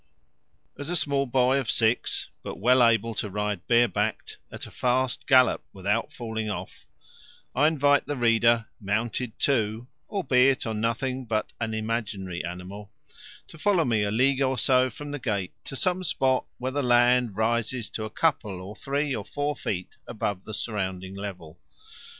As a small boy of six but well able to ride bare backed at a fast gallop without falling off, I invite the reader, mounted too, albeit on nothing but an imaginary animal, to follow me a league or so from the gate to some spot where the land rises to a couple or three or four feet above the surrounding level.